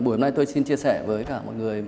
buổi nay tôi xin chia sẻ với cả mọi người